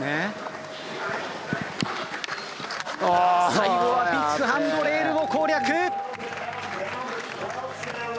最後はビッグハンドレールを攻略！